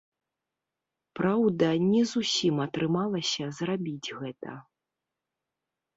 Праўда, не зусім атрымалася зрабіць гэта.